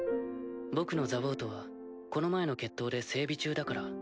僕のザウォートはこの前の決闘で整備中だから。